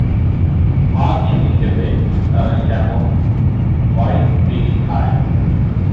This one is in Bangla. মাছ হিসেবে তারা স্যামন, হোয়াইট ফিশ খায়।